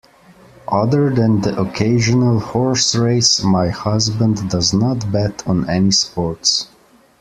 Other than the occasional horse race, my husband does not bet on any sports.